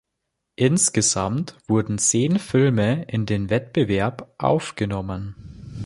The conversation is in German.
Insgesamt wurden zehn Filme in den Wettbewerb aufgenommen.